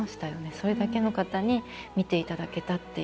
それだけの方に見ていただけたっていう。